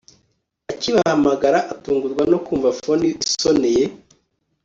Akibahamagara atungurwa nokumva phone isoneye